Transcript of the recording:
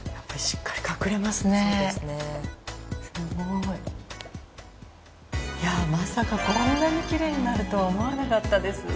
いやまさかこんなにきれいになるとは思わなかったです。